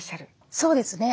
そうですね。